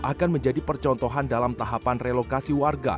akan menjadi percontohan dalam tahapan relokasi warga